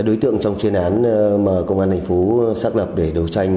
ba đối tượng trong chuyên án mà công an thành phố xác lập để đấu tranh